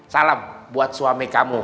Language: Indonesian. salam buat suami kamu